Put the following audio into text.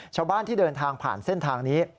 ชาวบ้านที่เดินทางผ่านเส้นทางนี้